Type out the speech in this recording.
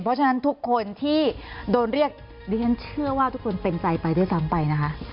เพราะฉะนั้นทุกคนที่โดนเรียกดิฉันเชื่อว่าทุกคนเป็นใจไปด้วยซ้ำไปนะคะ